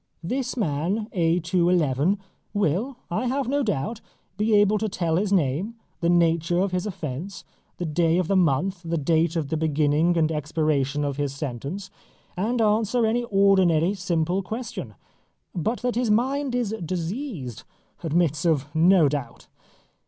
This man A. 2. 11, will, I have no doubt, be able to tell his name, the nature of his offence, the day of the month, the date of the beginning and expiration of his sentence, and answer any ordinary simple question; but that his mind is diseased admits of no doubt.